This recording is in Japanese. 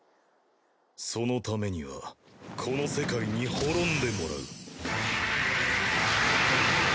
そのためにはこの世界に滅んでもらう。